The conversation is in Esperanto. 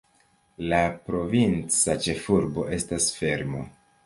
La provinca ĉefurbo estas Fermo.